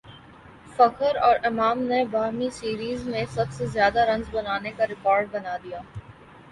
فخر اور امام نے باہمی سیریز میں سب سے زیادہ رنز بنانے کاریکارڈ بنادیا